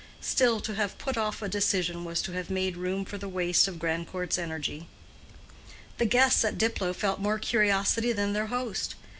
Still, to have put off a decision was to have made room for the waste of Grandcourt's energy. The guests at Diplow felt more curiosity than their host.